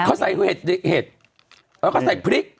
เขาใส่เห็ดแล้วก็ใส่พริก